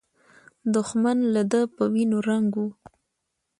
دښمن له ده په وینو رنګ و.